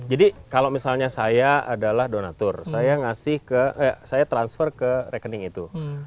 jadi kalau misalnya saya adalah donatur saya transfer ke rekening itu